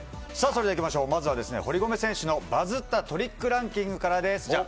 それでは、まずは堀米選手のバズったトリックランキングからです。